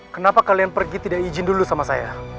kenapa kalian pergi tidak izin dulu sama saya